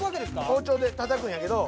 包丁で叩くんやけど。